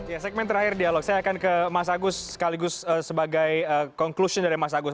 ya segmen terakhir dialog saya akan ke mas agus sekaligus sebagai conclusion dari mas agus